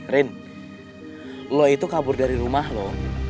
rin lo itu kabur dari rumah lo